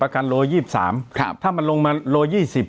กันโล๒๓ถ้ามันลงมาโล๒๐